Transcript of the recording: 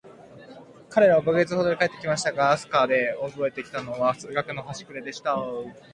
彼等は五ヵ月ほどして帰って来ましたが、飛島でおぼえて来たのは、数学のはしくれでした。